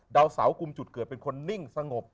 ดาวเสากลุ่มจุดเกิดเป็นคนนิ่งสงบ